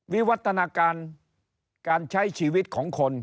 วิวัฒนาการการใช้ชีวิตของคน